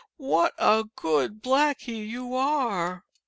What a good Blackie you are